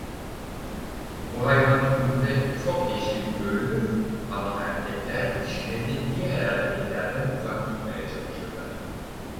Bu hayvan türünde çok eşlilik görülür ama erkekler dişilerini diğer erkeklerden uzak tutmaya çalışırlar.